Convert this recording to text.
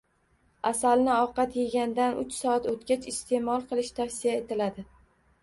Asalni ovqat yegandan uch soat o‘tgach iste’mol qilish tavsiya etiladi.